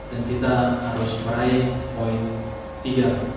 dan kita harus meraih poin tiga